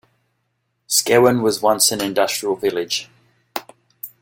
Skewen was once an industrial village.